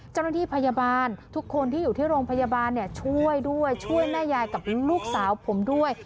เจ้าหน้าที่พยาบาลทุกคนที่อยู่ที่โรงพยาบาลช่วยด้วยช่วยแม่ยายกับลูกสาวผมด้วย